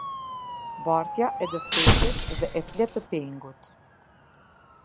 Bartja e dëftesës dhe e fletëpengut.